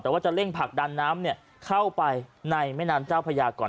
แต่ว่าจะเร่งผลักดันน้ำเข้าไปในแม่น้ำเจ้าพญาก่อน